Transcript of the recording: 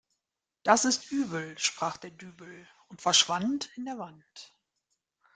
Das ist übel sprach der Dübel und verschwand in der Wand.